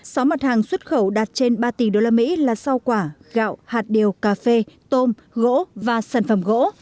sáu mặt hàng xuất khẩu đạt trên ba tỷ usd là rau quả gạo hạt điều cà phê tôm gỗ và sản phẩm gỗ